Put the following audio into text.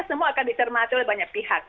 semua akan dicermati oleh banyak pihak